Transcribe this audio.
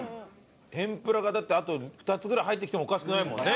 天ぷらがだってあと２つぐらい入ってきてもおかしくないもんね。